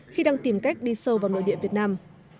khi đang tìm cách đi sâu vào nội địa việt nam